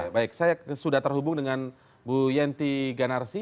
baik saya sudah terhubung dengan bu yenti ganarsi